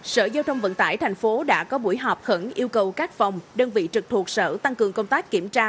sở giao thông vận tải tp hcm đã có buổi họp khẩn yêu cầu các phòng đơn vị trực thuộc sở tăng cường công tác kiểm tra